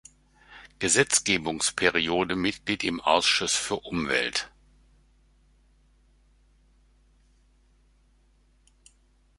Gesetzgebungsperiode Mitglied im Ausschuss für Umwelt.